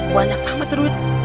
banyak amat tuh duit